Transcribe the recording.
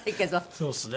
そうですね。